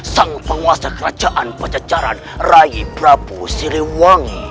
sang penguasa kerajaan pajajaran raih prabu siliwangi